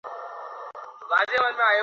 এইটা আমার আঞ্জলি।